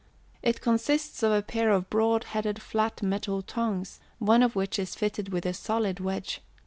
It consists of a pair of broad headed flat metal tongs, one of which is fitted with a solid wedge.